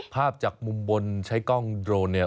ภาพจากมุมบนใช้กล้องโดรนเนี่ย